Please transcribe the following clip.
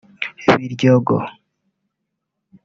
Biryogo